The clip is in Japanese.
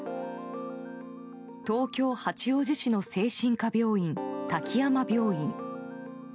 東京・八王子市の精神科病院滝山病院。